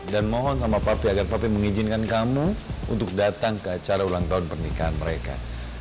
dan mohon sama papi agar papi mengizinkan kamu untuk datang ke acara ulang tahun pernikahan mereka